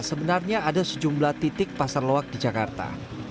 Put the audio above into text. sebenarnya ada sejumlah titik pasar loak di jakarta